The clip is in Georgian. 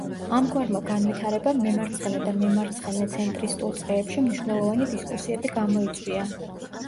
ამგვარმა განვითარებამ მემარცხენე და მემარცხენე-ცენტრისტულ წრეებში მნიშვნელოვანი დისკუსიები გამოიწვია.